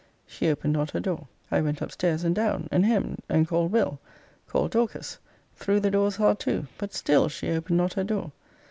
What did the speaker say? She opened not her door. I went up stairs and down; and hemm'd; and called Will.; called Dorcas; threw the doors hard to; but still she opened not her door.